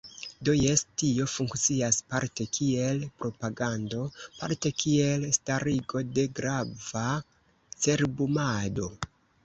Do jes, tio funkcias parte kiel propagando, parte kiel starigo de grava cerbumado.